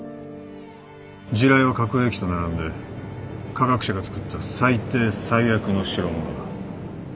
「地雷は核兵器と並んで科学者がつくった最低最悪の代物だ」